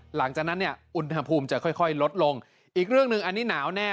หลังจากนั้นเนี่ยอุณหภูมิจะค่อยค่อยลดลงอีกเรื่องหนึ่งอันนี้หนาวแน่